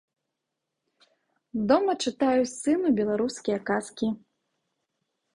Дома чытаю сыну беларускія казкі.